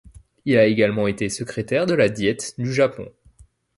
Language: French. Il a également été secrétaire de la Diète du Japon.